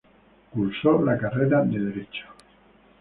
Cursó la carrera de Derecho.